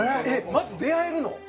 まず出会えるの？